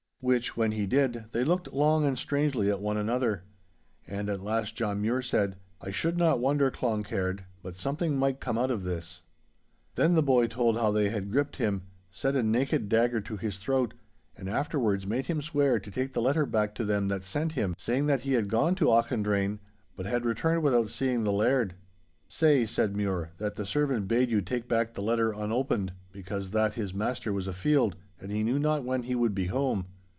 Which, when he did, they looked long and strangely at one another. And at last John Mure said, 'I should not wonder, Cloncaird, but something might come out of this.' Then the boy told how they had gripped him, set a naked dagger to his throat, and afterwards made him swear to take the letter back to them that sent him, saying that he had gone to Auchendrayne, but had returned without seeing the Laird. 'Say,' said Mure, 'that the servant bade you take back the letter unopened, because that his master was afield and he knew not when he would be home.